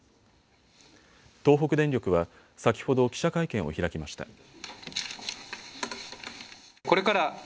東北電力は先ほど記者会見を開きました。